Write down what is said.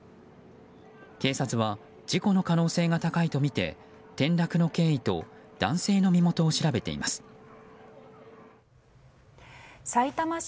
警察は事故の可能性が高いとみて転落の経緯と男性の身元を調べています。